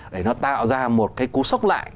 đấy nó tạo ra một cái cú sốc lại